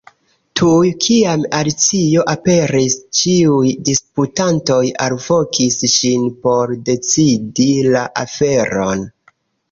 Tuj kiam Alicio aperis, ĉiuj disputantoj alvokis ŝin por decidi la aferon.